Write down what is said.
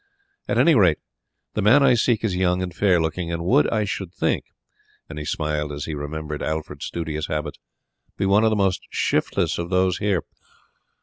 At any rate the man I seek is young and fair looking, and would, I should think" and he smiled as he remembered Alfred's studious habits "be one of the most shiftless of those here."